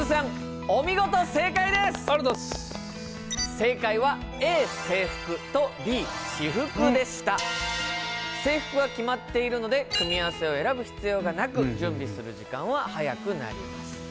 正解は制服は決まっているので組み合わせを選ぶ必要がなく準備する時間は早くなります。